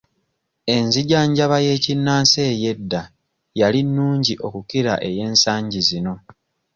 Enzijanjaba y'ekinnansi ey'edda yali nnungi okukira ey'ensangi zino.